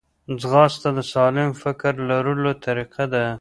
ځغاسته د سالم فکر لرلو طریقه ده